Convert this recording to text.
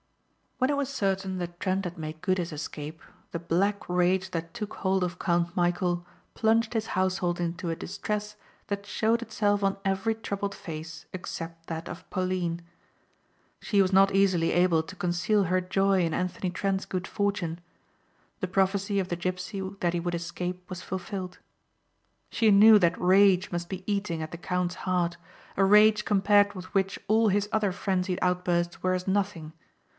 When it was certain that Trent had made good his escape the black rage that took hold of Count Michæl plunged his household into a distress that showed itself on every troubled face except that of Pauline. She was not easily able to conceal her joy in Anthony Trent's good fortune. The prophecy of the gipsy that he would escape was fulfilled. She knew that rage must be eating at the count's heart, a rage compared with which all his other frenzied outbursts were as nothing.